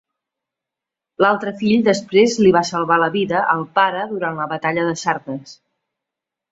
L'altre fill després li va salvar la vida al pare durant la batalla de Sardes.